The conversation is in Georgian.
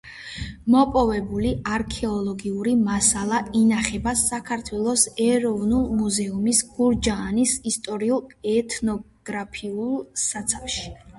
მოპოვებული არქეოლოგიური მასალა ინახება საქართველოს ეროვნულ მუზეუმის გურჯაანის ისტორიულ–ეთნოგრაფიულ საცავში.